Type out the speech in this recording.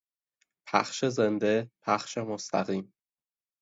پخش زنده، پخش مستقیم